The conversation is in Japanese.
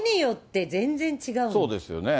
そうですよね。